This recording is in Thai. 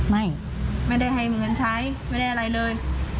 ไม่ได้ให้เงินใช้ไม่ได้อะไรเลย